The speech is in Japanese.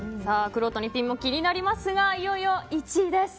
くろうとの逸品も気になりますがいよいよ１位です。